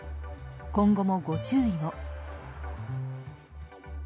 今後もご注意を。